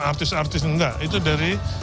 artis artis enggak itu dari